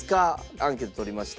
アンケート取りました。